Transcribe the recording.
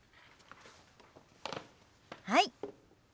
はい。